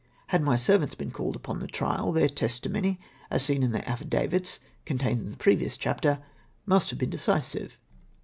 Had my servants been called upon the trial, their testimony, as seen in their affidavits contained in the previous chapter, must have been decisive.